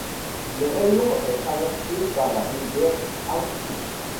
Le raïon est traversé par la rivière Ak-Sou.